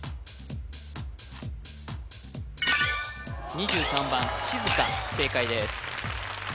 ２３番しずか正解です